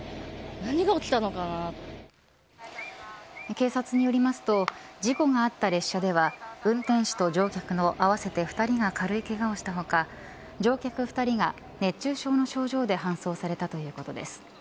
警察によりますと事故があった列車では運転士と乗客の合わせて２人が軽いけがをした他乗客２人が熱中症の症状で搬送されたということです。